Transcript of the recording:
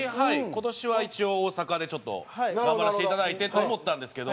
今年は一応大阪でちょっと頑張らせていただいてって思ったんですけど。